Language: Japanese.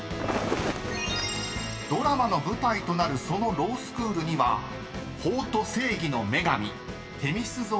［ドラマの舞台となるそのロースクールには法と正義の女神テミス像が飾られています］